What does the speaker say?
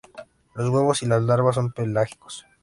Los huevos y las larvas son pelágicos.